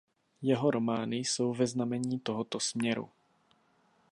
Jeho romány jsou ve znamení tohoto směru.